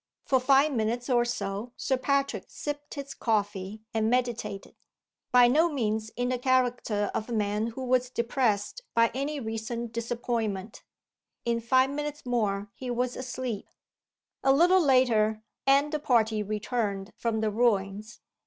For five minutes or so Sir Patrick sipped his coffee, and meditated by no means in the character of a man who was depressed by any recent disappointment. In five minutes more he was asleep. A little later, and the party returned from the ruins.